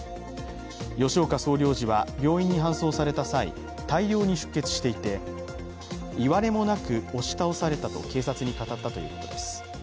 吉岡総領事は、病院に搬送された際大量に出血していていわれもなく押し倒されたと警察に語ったということです。